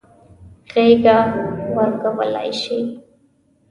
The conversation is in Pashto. غېږه ورکولای شي.